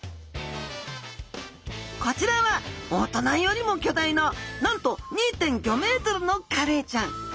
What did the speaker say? こちらは大人よりも巨大ななんと２．５ｍのカレイちゃん。